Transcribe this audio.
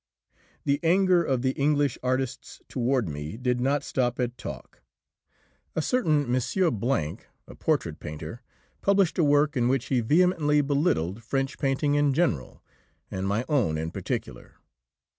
The anger of the English artists toward me did not stop at talk. A certain M. , a portrait painter, published a work in which he vehemently belittled French painting in general and my own in particular.